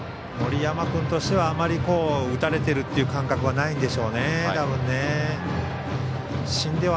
森山君としてはあまり打たれているという感覚はないんでしょうね、たぶん。